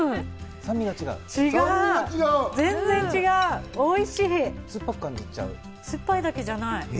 酸っぱいだけじゃない。